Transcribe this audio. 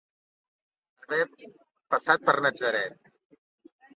Haver passat per Natzaret.